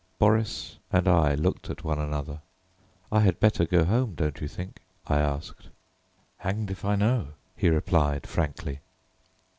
Boris and I looked at one another. "I had better go home, don't you think?" I asked. "Hanged if I know," he replied frankly.